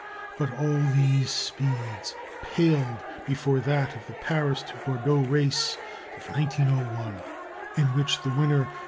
But all these speeds paled before that of the Paris to Bordeaux race of 1901, in which the winner, M.